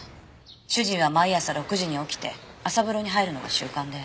主人は毎朝６時に起きて朝風呂に入るのが習慣で。